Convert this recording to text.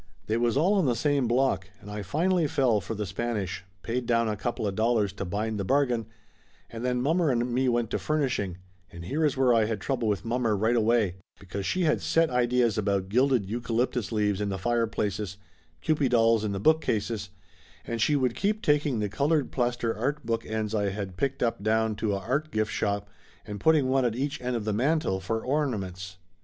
They was all on the same block and I finally fell for the Spanish, paid down a coupla dollars to bind the bargain, and then mommer and me went to furnishing, and here is where I had trouble with mommer right away, because she had set ideas about gilded eucalyptus leaves in the fireplaces, kewpie dolls in the bookcases, and she would keep taking the colored plaster art book ends I had picked up down to a art gift shop, and put ting one at each end of the mantel for ornaments.